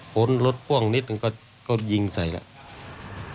รถพ่วงนิดนึงก็ยิงใส่แล้ว